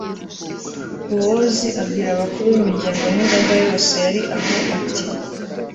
bowozi abwira abakuru b'imiryango n'imbaga yose yari aho, ati